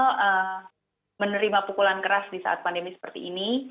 kita menerima pukulan keras di saat pandemi seperti ini